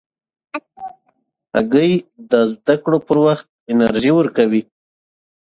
هګۍ د زده کړو پر وخت انرژي ورکوي.